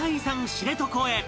知床へ